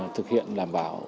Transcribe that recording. thực hiện đảm bảo